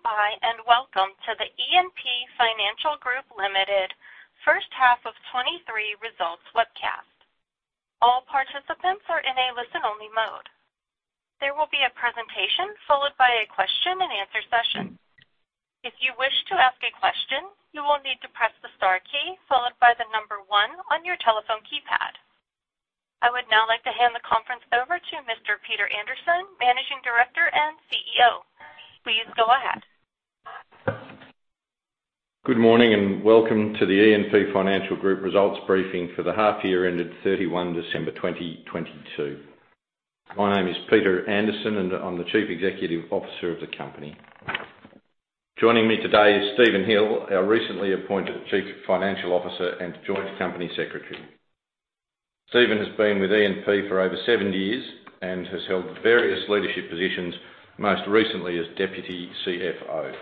Thank you for standing by, and welcome to the E&P Financial Group Limited first half of 2023 results webcast. All participants are in a listen-only mode. There will be a presentation followed by a question and answer session. If you wish to ask a question, you will need to press the star key followed by the number 1 on your telephone keypad. I would now like to hand the conference over to Mr. Peter Anderson, Managing Director and CEO. Please go ahead. Good morning, welcome to the E&P Financial Group results briefing for the half year ended 31 December 2022. My name is Peter Anderson, I'm the Chief Executive Officer of the company. Joining me today is Stephen Hill, our recently appointed Chief Financial Officer and joint Company Secretary. Stephen has been with E&P for over 7 years and has held various leadership positions, most recently as Deputy CFO.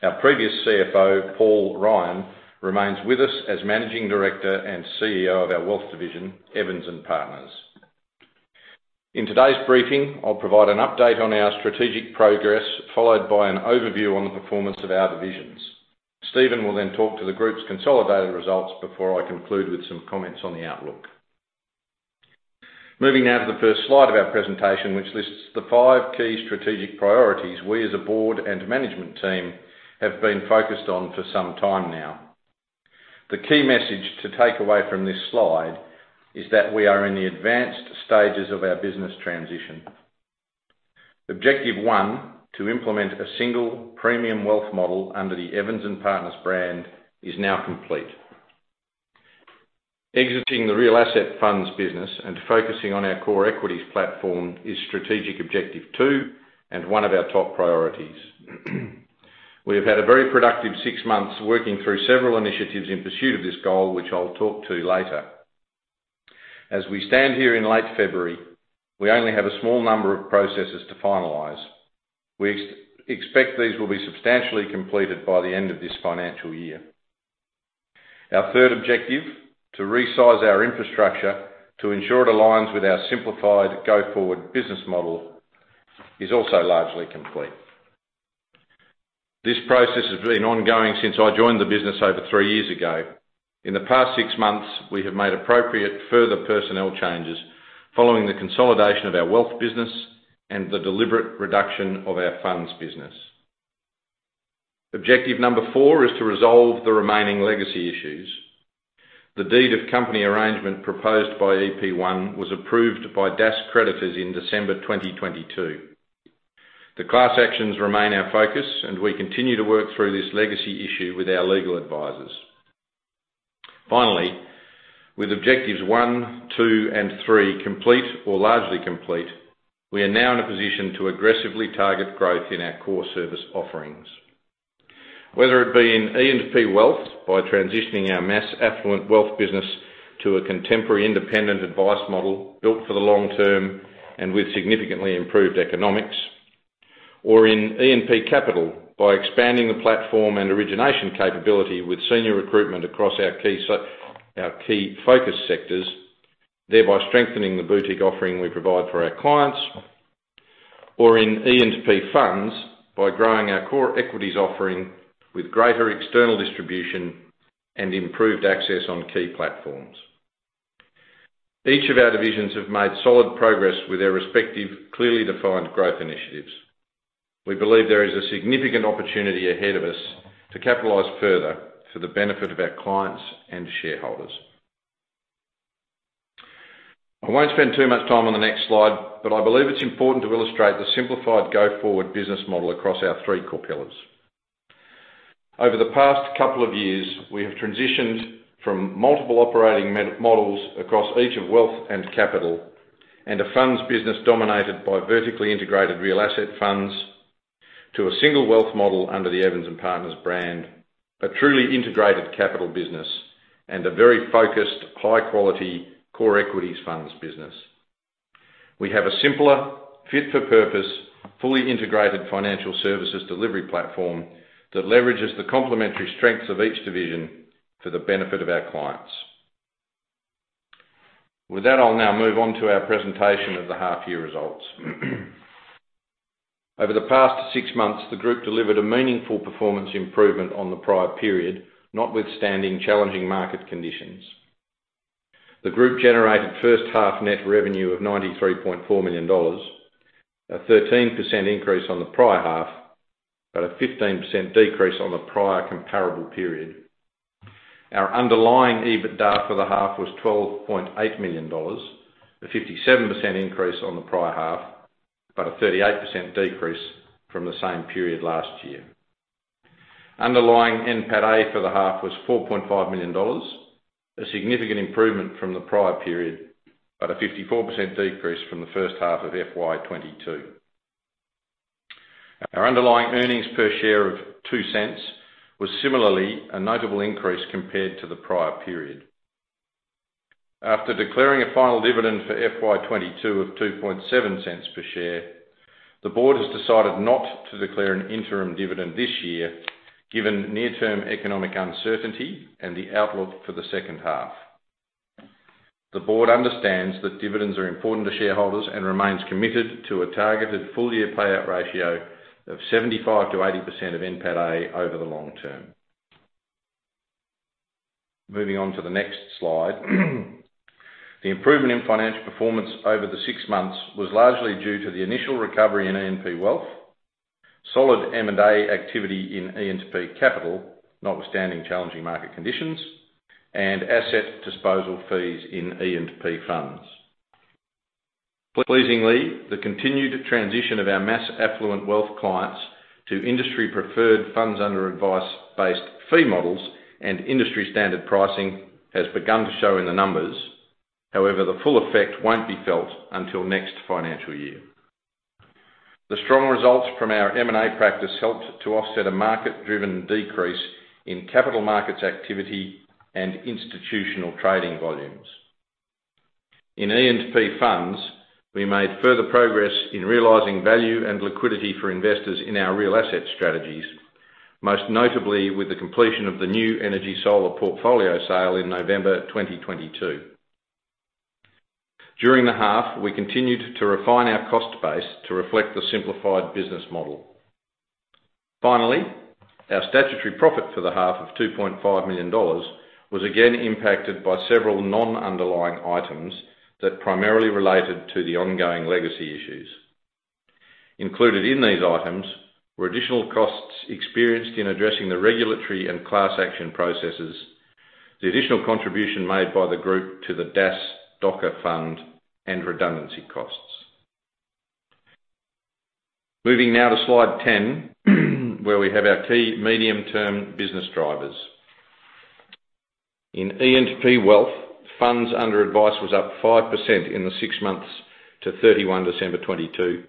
Our previous CFO, Paul Ryan, remains with us as Managing Director and CEO of our wealth division, Evans and Partners. In today's briefing, I'll provide an update on our strategic progress, followed by an overview on the performance of our divisions. Stephen will talk to the group's consolidated results before I conclude with some comments on the outlook. Moving now to the first slide of our presentation, which lists the five key strategic priorities we as a board and management team have been focused on for some time now. The key message to take away from this slide is that we are in the advanced stages of our business transition. Objective one, to implement a single premium wealth model under the Evans and Partners brand, is now complete. Exiting the real asset funds business and focusing on our core equities platform is strategic objective two and one of our top priorities. We have had a very productive six months working through several initiatives in pursuit of this goal, which I'll talk to later. As we stand here in late February, we only have a small number of processes to finalize. We expect these will be substantially completed by the end of this financial year. Our third objective, to resize our infrastructure to ensure it aligns with our simplified go-forward business model, is also largely complete. This process has been ongoing since I joined the business over three years ago. In the past six months, we have made appropriate further personnel changes following the consolidation of our wealth business and the deliberate reduction of our funds business. Objective number four is to resolve the remaining legacy issues. The Deed of Company Arrangement proposed by EP1 was approved by DAS creditors in December 2022. The class actions remain our focus, and we continue to work through this legacy issue with our legal advisors. Finally, with objectives one, two, and three complete or largely complete, we are now in a position to aggressively target growth in our core service offerings. Whether it be in E&P Wealth by transitioning our mass affluent wealth business to a contemporary independent advice model built for the long term and with significantly improved economics, or in E&P Capital by expanding the platform and origination capability with senior recruitment across our key focus sectors, thereby strengthening the boutique offering we provide for our clients, or in E&P Funds by growing our core equities offering with greater external distribution and improved access on key platforms. Each of our divisions have made solid progress with their respective, clearly defined growth initiatives. We believe there is a significant opportunity ahead of us to capitalize further for the benefit of our clients and shareholders. I won't spend too much time on the next slide, but I believe it's important to illustrate the simplified go-forward business model across our three core pillars. Over the past couple of years, we have transitioned from multiple operating models across each of wealth and capital, and a funds business dominated by vertically integrated real asset funds to a single wealth model under the Evans and Partners brand, a truly integrated capital business, and a very focused, high-quality core equities funds business. We have a simpler, fit-for-purpose, fully integrated financial services delivery platform that leverages the complementary strengths of each division for the benefit of our clients. With that, I'll now move on to our presentation of the half year results. Over the past six months, the group delivered a meaningful performance improvement on the prior period, notwithstanding challenging market conditions. The group generated first half net revenue of 93.4 million dollars, a 13% increase on the prior half, but a 15% decrease on the prior comparable period. Our underlying EBITDA for the half was AUD 12.8 million, a 57% increase on the prior half, but a 38% decrease from the same period last year. Underlying NPATA for the half was 4.5 million dollars, a significant improvement from the prior period, but a 54% decrease from the first half of FY 2022. Our underlying earnings per share of 0.02 was similarly a notable increase compared to the prior period. After declaring a final dividend for FY 2022 of 0.027 per share, the board has decided not to declare an interim dividend this year, given near-term economic uncertainty and the outlook for the second half. The board understands that dividends are important to shareholders and remains committed to a targeted full year payout ratio of 75%-80% of NPAT over the long term. Moving on to the next slide. The improvement in financial performance over the six months was largely due to the initial recovery in E&P Wealth, solid M&A activity in E&P Capital, notwithstanding challenging market conditions and asset disposal fees in E&P Funds. Pleasingly, the continued transition of our mass affluent wealth clients to industry preferred funds under advice-based fee models and industry standard pricing has begun to show in the numbers. However, the full effect won't be felt until next financial year. The strong results from our M&A practice helped to offset a market driven decrease in capital markets activity and institutional trading volumes. In E&P Funds, we made further progress in realizing value and liquidity for investors in our real asset strategies, most notably with the completion of the New Energy Solar portfolio sale in November 2022. During the half, we continued to refine our cost base to reflect the simplified business model. Our statutory profit for the half of 2.5 million dollars was again impacted by several non-underlying items that primarily related to the ongoing legacy issues. Included in these items were additional costs experienced in addressing the regulatory and class action processes, the additional contribution made by the group to the DAS DOCA Fund and redundancy costs. Moving now to slide 10 where we have our key medium-term business drivers. In E&P Wealth, funds under advice was up 5% in the 6 months to 31 December 2022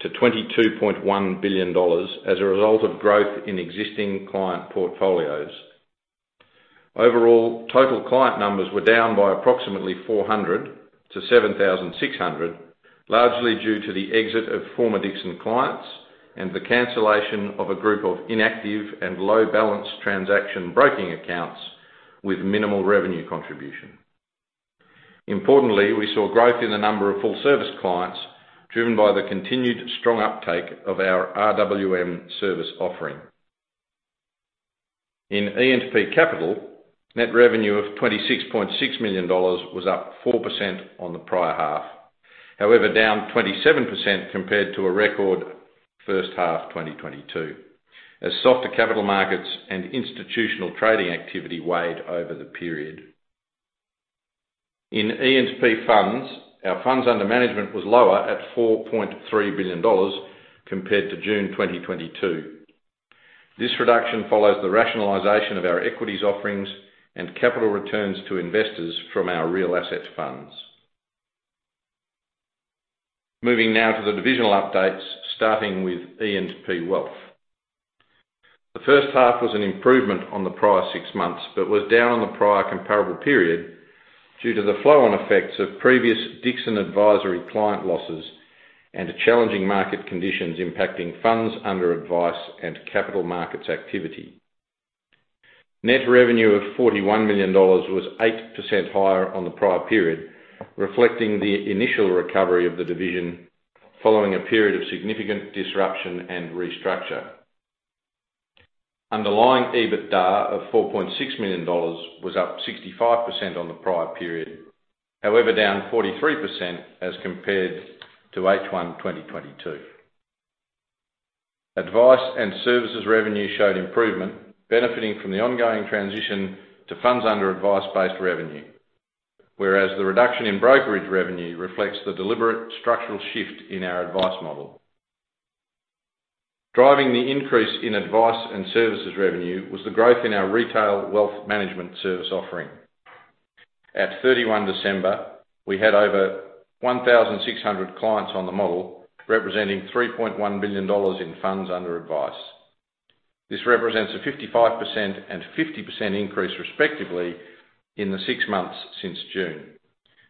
to AUD 22.1 billion as a result of growth in existing client portfolios. Overall, total client numbers were down by approximately 400 to 7,600, largely due to the exit of former Dixon clients and the cancellation of a group of inactive and low balance transaction broking accounts with minimal revenue contribution. Importantly, we saw growth in the number of full service clients, driven by the continued strong uptake of our RWM service offering. In E&P Capital, net revenue of 26.6 million dollars was up 4% on the prior half. However, down 27% compared to a record first half 2022 as softer capital markets and institutional trading activity weighed over the period. In E&P Funds, our funds under management was lower at 4.3 billion dollars compared to June 2022. This reduction follows the rationalization of our equities offerings and capital returns to investors from our real assets funds. Moving now to the divisional updates, starting with E&P Wealth. The first half was an improvement on the prior 6 months, but was down on the prior comparable period due to the flow on effects of previous Dixon Advisory client losses and challenging market conditions impacting funds under advice and capital markets activity. Net revenue of 41 million dollars was 8% higher on the prior period, reflecting the initial recovery of the division following a period of significant disruption and restructure. Underlying EBITDA of 4.6 million dollars was up 65% on the prior period, however, down 43% as compared to H1 2022. Advice and services revenue showed improvement, benefiting from the ongoing transition to funds under advice-based revenue. Whereas the reduction in brokerage revenue reflects the deliberate structural shift in our advice model. Driving the increase in advice and services revenue was the growth in our retail wealth management service offering. At 31 December, we had over 1,600 clients on the model, representing 3.1 billion dollars in funds under advice. This represents a 55% and 50% increase, respectively, in the 6 months since June,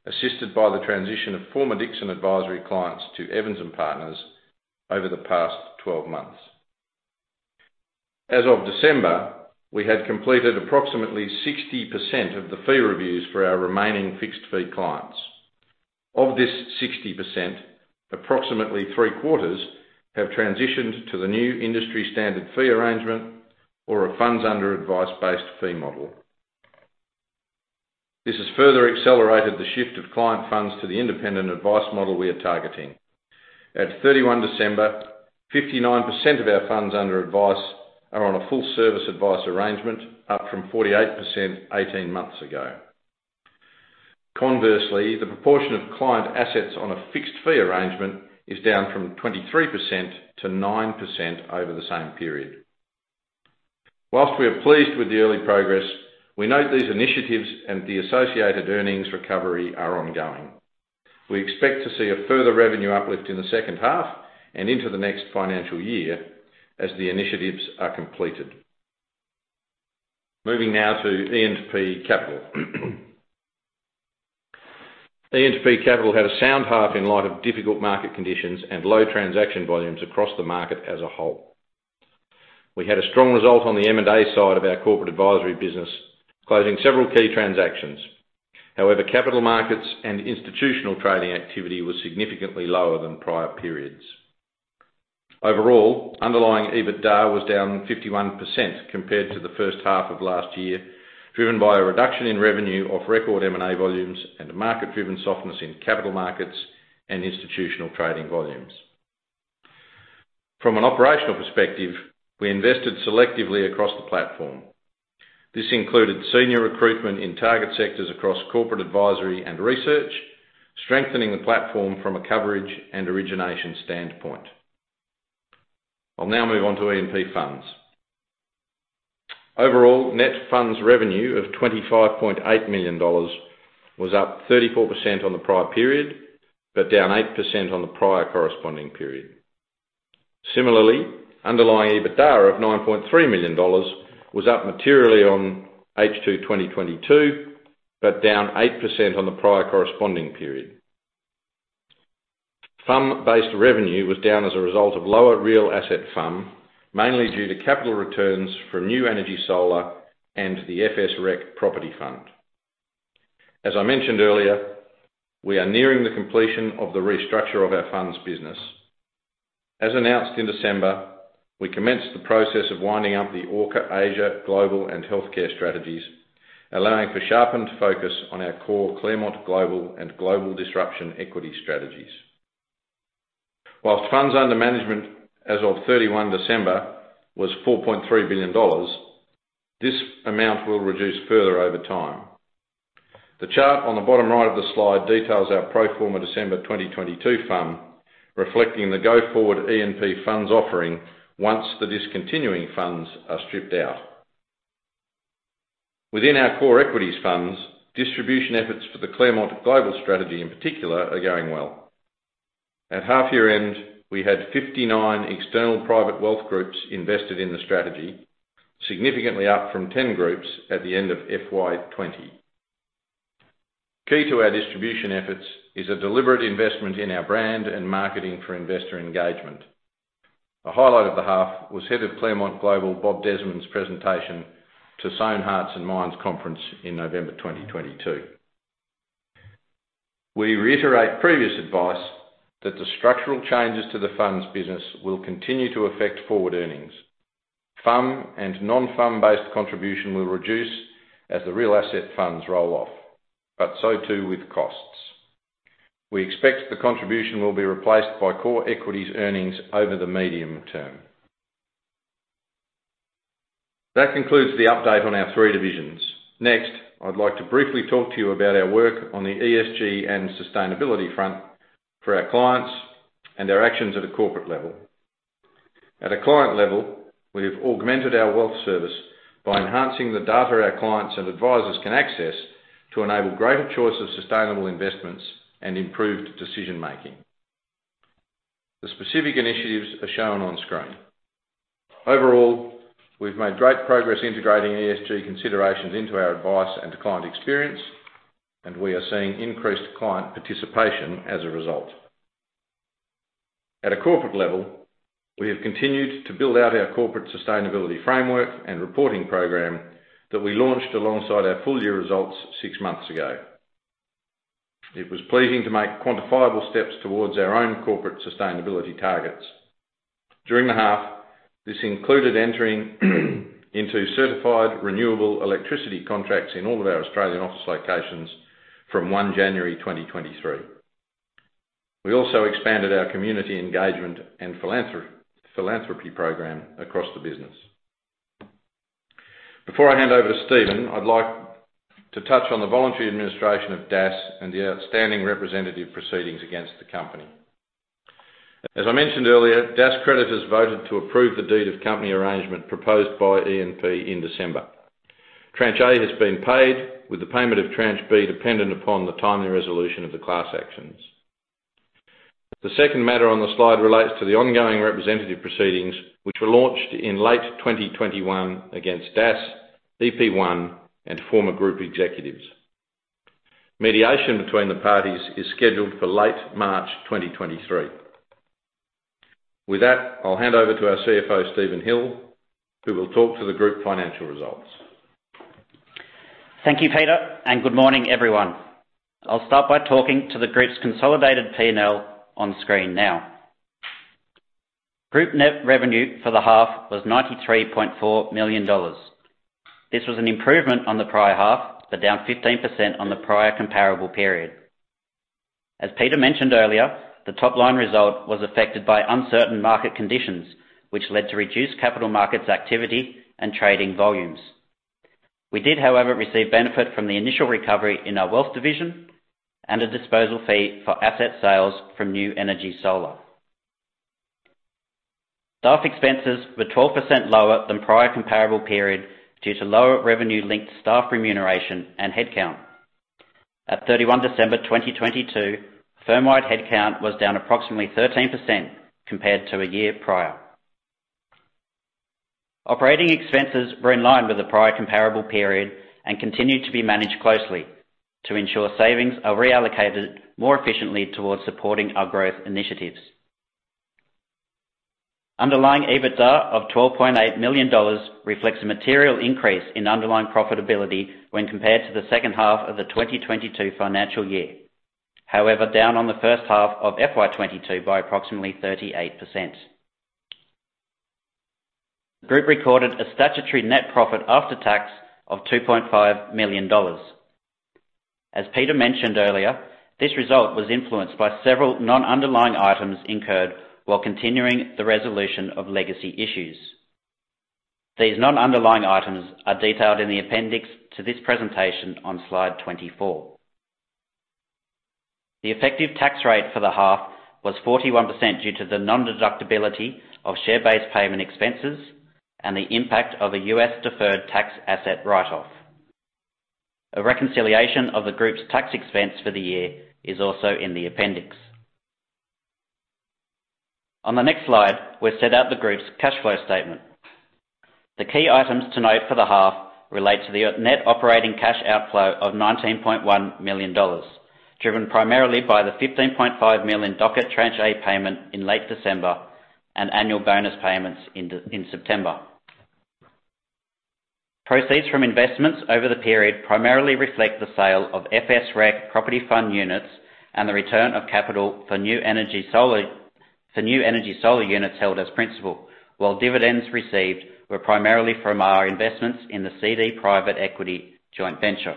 assisted by the transition of former Dixon Advisory clients to Evans and Partners over the past 12 months. As of December, we had completed approximately 60% of the fee reviews for our remaining fixed fee clients. Of this 60%, approximately three-quarters have transitioned to the new industry standard fee arrangement or a funds under advice-based fee model. This has further accelerated the shift of client funds to the independent advice model we are targeting. At 31 December, 59% of our funds under advice are on a full service advice arrangement, up from 48% 18 months ago. Conversely, the proportion of client assets on a fixed fee arrangement is down from 23% to 9% over the same period. Whilst we are pleased with the early progress, we note these initiatives and the associated earnings recovery are ongoing. We expect to see a further revenue uplift in the second half and into the next financial year as the initiatives are completed. Moving now to E&P Capital. E&P Capital had a sound half in light of difficult market conditions and low transaction volumes across the market as a whole. We had a strong result on the M&A side of our corporate advisory business, closing several key transactions. However, capital markets and institutional trading activity was significantly lower than prior periods. Overall, underlying EBITDA was down 51% compared to the first half of last year, driven by a reduction in revenue of record M&A volumes and market-driven softness in capital markets and institutional trading volumes. From an operational perspective, we invested selectively across the platform. This included senior recruitment in target sectors across corporate advisory and research, strengthening the platform from a coverage and origination standpoint. I'll now move on to E&P Funds. Overall, net funds revenue of 25.8 million dollars was up 34% on the prior period, but down 8% on the prior corresponding period. Similarly, underlying EBITDA of 9.3 million dollars was up materially on H2 2022, but down 8% on the prior corresponding period. FUM-based revenue was down as a result of lower real asset FUM, mainly due to capital returns from New Energy Solar and the Fort Street Real Estate Capital Fund As I mentioned earlier, we are nearing the completion of the restructure of our funds business. As announced in December, we commenced the process of winding up the Orca Asia Global and Healthcare strategies, allowing for sharpened focus on our core Claremont Global and Global Disruption equity strategies. Whilst funds under management as of 31 December was 4.3 billion dollars, this amount will reduce further over time. The chart on the bottom right of the slide details our pro forma December 2022 FUM, reflecting the go-forward E&P Funds offering once the discontinuing funds are stripped out. Within our core equities funds, distribution efforts for the Claremont Global strategy in particular are going well. At half-year end, we had 59 external private wealth groups invested in the strategy, significantly up from 10 groups at the end of FY 20. Key to our distribution efforts is a deliberate investment in our brand and marketing for investor engagement. A highlight of the half was Head of Claremont Global, Bob Desmond's presentation to Sohn Hearts & Minds Conference in November 2022. We reiterate previous advice that the structural changes to the funds business will continue to affect forward earnings. FUM and non-FUM based contribution will reduce as the real asset funds roll off, but so too with costs. We expect the contribution will be replaced by core equities earnings over the medium term. That concludes the update on our three divisions. Next, I'd like to briefly talk to you about our work on the ESG and sustainability front for our clients and our actions at a corporate level. At a client level, we have augmented our wealth service by enhancing the data our clients and advisors can access to enable greater choice of sustainable investments and improved decision-making. The specific initiatives are shown on screen. Overall, we've made great progress integrating ESG considerations into our advice and client experience, and we are seeing increased client participation as a result. At a corporate level, we have continued to build out our corporate sustainability framework and reporting program that we launched alongside our full year results six months ago. It was pleasing to make quantifiable steps towards our own corporate sustainability targets. During the half, this included entering into certified renewable electricity contracts in all of our Australian office locations from January 1, 2023. We also expanded our community engagement and philanthropy program across the business. Before I hand over to Stephen, I'd like to touch on the voluntary administration of DAS and the outstanding representative proceedings against the company. I mentioned earlier, DAS creditors voted to approve the Deed of Company Arrangement proposed by E&P in December. Tranche A has been paid, with the payment of Tranche B dependent upon the timely resolution of the class actions. The second matter on the slide relates to the ongoing representative proceedings which were launched in late 2021 against DAS, EP1, and former group executives. Mediation between the parties is scheduled for late March 2023. With that, I'll hand over to our CFO, Stephen Hill, who will talk to the group financial results. Thank you, Peter, and good morning, everyone. I'll start by talking to the group's consolidated P&L on screen now. Group net revenue for the half was 93.4 million dollars. This was an improvement on the prior half, but down 15% on the prior comparable period. As Peter mentioned earlier, the top-line result was affected by uncertain market conditions, which led to reduced capital markets activity and trading volumes. We did, however, receive benefit from the initial recovery in our wealth division and a disposal fee for asset sales from New Energy Solar. Staff expenses were 12% lower than prior comparable period due to lower revenue linked to staff remuneration and headcount. At 31 December 2022, firmwide headcount was down approximately 13% compared to a year prior. Operating expenses were in line with the prior comparable period and continued to be managed closely. To ensure savings are reallocated more efficiently towards supporting our growth initiatives. Underlying EBITDA of AUD 12.8 million reflects a material increase in underlying profitability when compared to the second half of the 2022 financial year. Down on the first half of FY22 by approximately 38%. The group recorded a statutory net profit after tax of 2.5 million dollars. As Peter mentioned earlier, this result was influenced by several non-underlying items incurred while continuing the resolution of legacy issues. These non-underlying items are detailed in the appendix to this presentation on slide 24. The effective tax rate for the half was 41% due to the non-deductibility of share-based payment expenses and the impact of a U.S. deferred tax asset write-off. A reconciliation of the group's tax expense for the year is also in the appendix. On the next slide, we've set out the group's cash flow statement. The key items to note for the half relate to the net operating cash outflow of 19.1 million dollars, driven primarily by the 15.5 million in DOCA Tranche A payment in late December and annual bonus payments in September. Proceeds from investments over the period primarily reflect the sale of FSREC property fund units and the return of capital for New Energy Solar units held as principal, while dividends received were primarily from our investments in the CD Private Equity Joint Venture.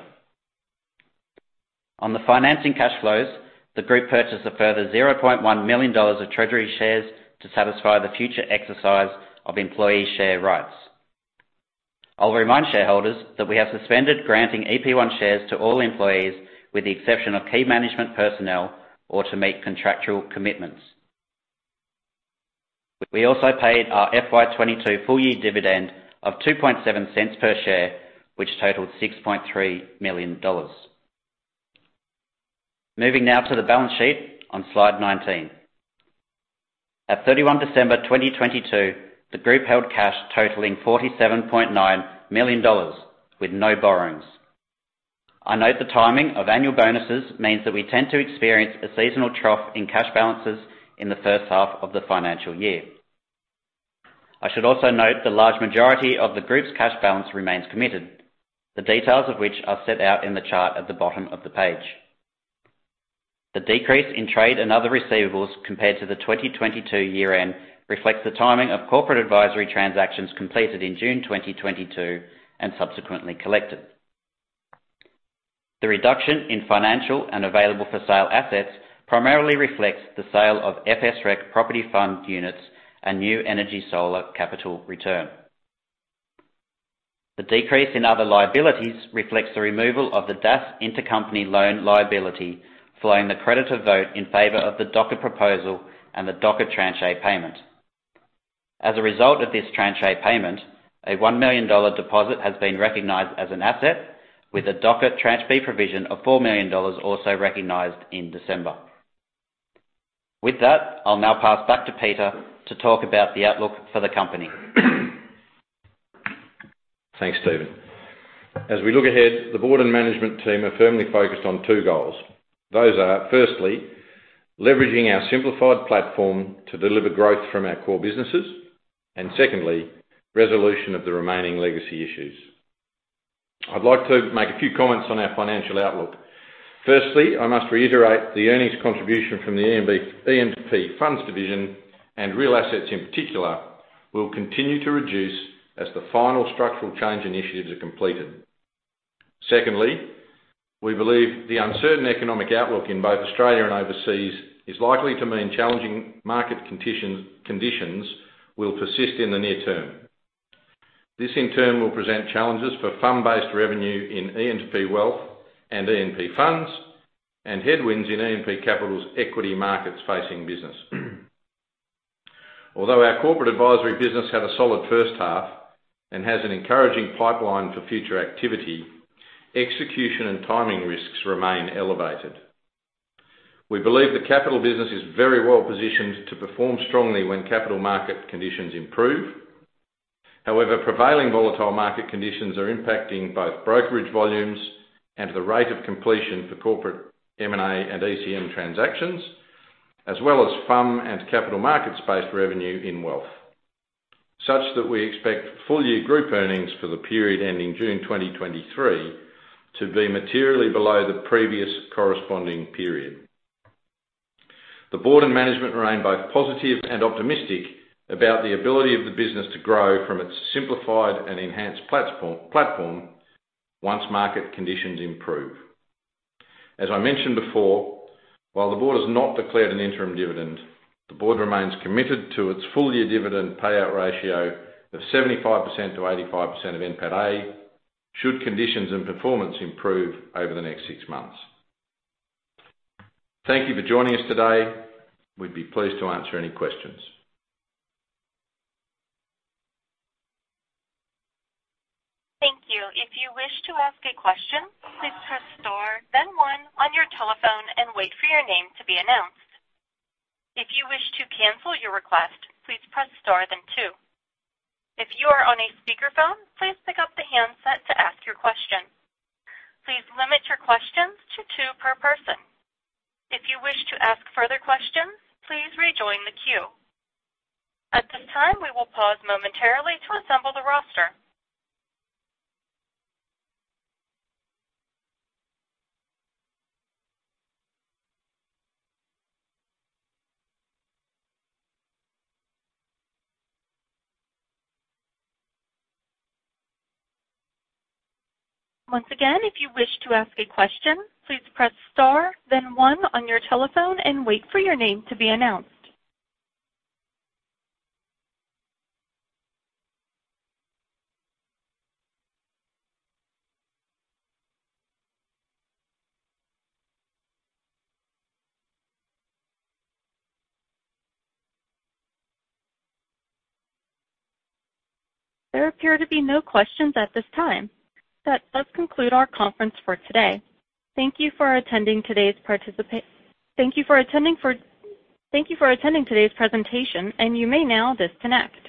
On the financing cash flows, the group purchased a further 0.1 million dollars of treasury shares to satisfy the future exercise of employee share rights. I'll remind shareholders that we have suspended granting EP1 shares to all employees with the exception of key management personnel or to meet contractual commitments. We also paid our FY22 full year dividend of 0.027 per share, which totaled 6.3 million dollars. Moving now to the balance sheet on slide 19. At 31 December 2022, the group held cash totaling 47.9 million dollars with no borrowings. I note the timing of annual bonuses means that we tend to experience a seasonal trough in cash balances in the first half of the financial year. I should also note the large majority of the group's cash balance remains committed, the details of which are set out in the chart at the bottom of the page. The decrease in trade and other receivables compared to the 2022 year-end reflects the timing of corporate advisory transactions completed in June 2022 and subsequently collected. The reduction in financial and available for sale assets primarily reflects the sale of FSREC property fund units and New Energy Solar capital return. The decrease in other liabilities reflects the removal of the DAS intercompany loan liability following the creditor vote in favor of the DOCA proposal and the DOCA Tranche A payment. As a result of this Tranche A payment, a 1 million dollar deposit has been recognized as an asset with a DOCA Tranche B provision of 4 million dollars also recognized in December. With that, I'll now pass back to Peter to talk about the outlook for the company. Thanks, Stephen. As we look ahead, the board and management team are firmly focused on two goals. Those are, firstly, leveraging our simplified platform to deliver growth from our core businesses, and secondly, resolution of the remaining legacy issues. I'd like to make a few comments on our financial outlook. Firstly, I must reiterate the earnings contribution from the E&P, E&P Funds division and real assets in particular, will continue to reduce as the final structural change initiatives are completed. We believe the uncertain economic outlook in both Australia and overseas is likely to mean challenging market conditions will persist in the near term. This in turn will present challenges for fund-based revenue in E&P Wealth and E&P Funds and headwinds in E&P Capital's equity markets facing business. Although our corporate advisory business had a solid first half and has an encouraging pipeline for future activity, execution and timing risks remain elevated. We believe the Capital business is very well positioned to perform strongly when capital market conditions improve. However, prevailing volatile market conditions are impacting both brokerage volumes and the rate of completion for corporate M&A and ECM transactions, as well as FUM and capital markets-based revenue in Wealth, such that we expect full-year group earnings for the period ending June 2023 to be materially below the previous corresponding period. The board and management remain both positive and optimistic about the ability of the business to grow from its simplified and enhanced platform once market conditions improve. As I mentioned before, while the board has not declared an interim dividend, the board remains committed to its full-year dividend payout ratio of 75% to 85% of NPATA, should conditions and performance improve over the next six months. Thank you for joining us today. We'd be pleased to answer any questions. Thank you. If you wish to ask a question, please press star then one on your telephone and wait for your name to be announced. If you wish to cancel your request, please press star then two. If you are on a speakerphone, please pick up the handset to ask your question. Please limit your questions to two per person. If you wish to ask further questions, please rejoin the queue. At this time, we will pause momentarily to assemble the roster. Once again, if you wish to ask a question, please press star then 1 on your telephone and wait for your name to be announced. There appear to be no questions at this time. That does conclude our conference for today. Thank you for attending today's presentation. You may now disconnect.